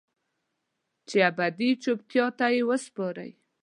چې ابدي چوپتیا ته یې وسپارئ